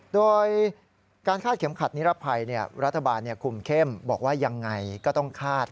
โดยการคาดเข็มขัดนิรภัยรัฐบาลคุมเข้มบอกว่ายังไงก็ต้องคาด